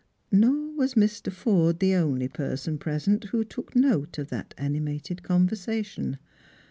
Nor was Mr. Forde the only person present who took note of tliat animated coversation.